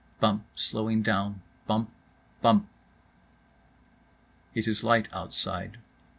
— Bump, slowing down. BUMP—BUMP. It is light outside.